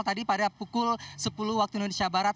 tadi pada pukul sepuluh waktu indonesia barat